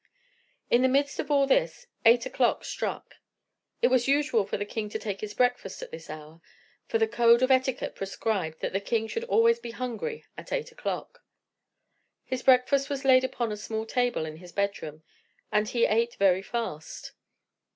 In the midst of all this, eight o'clock struck. It was usual for the king to take his breakfast at this hour, for the code of etiquette prescribed that the king should always be hungry at eight o'clock. His breakfast was laid upon a small table in his bedroom, and he ate very fast.